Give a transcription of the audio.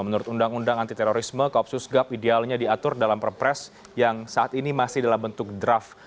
menurut undang undang anti terorisme koopsus gap idealnya diatur dalam perpres yang saat ini masih dalam bentuk draft